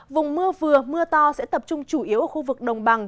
vùng mưa vừa mưa to sẽ tập trung chủ yếu ở khu vực đồng bằng